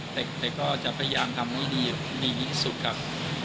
เด็กก็จะพยายามทำให้ดีที่สุดครับ